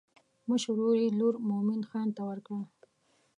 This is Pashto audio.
مشر ورور یې لور مومن خان ته ورکړه.